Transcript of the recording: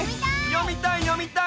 よみたいよみたい！